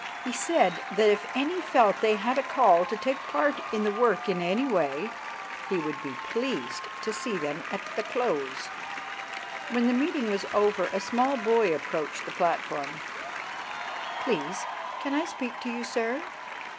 He said that if any felt they had a call to take part in the work in any way, he would be pleased to see them at the close. When the meeting was over, a small boy approached the platform. "Please can I speak to you, sir?"